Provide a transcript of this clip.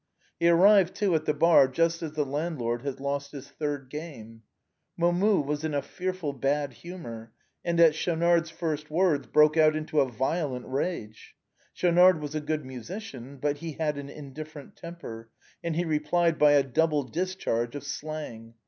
He ar rived, too, at the bar just as the landlord had lost his third game. Momus was in a fearful bad humor, and, at Schaunard's first words, broke out into a violent rage. Schaunard was a good musician, but he had an indifferent temper, and he replied by a double discharge of slang.